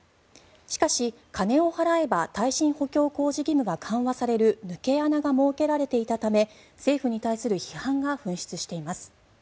しかし、金を払えば耐震補強工事義務が緩和される抜け穴が設けられていたため政府に対する批判が噴出しています。